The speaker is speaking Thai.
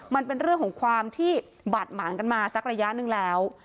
มันเป็นเรื่องของความที่บาดหมางกันมาสักระยะหนึ่งแล้ว